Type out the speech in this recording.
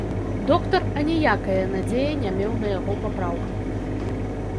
Доктар аніякае надзеі не меў на яго папраўку.